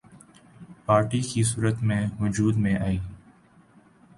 party کی صورت میں وجود میں آئی